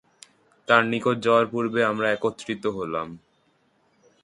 তাঁর নিকট যাওয়ার পূর্বে আমরা একত্রিত হলাম।